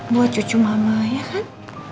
buat cucu mama ya kan